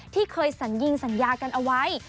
ที่เคยสัญญิงสัญญากันเอาไว้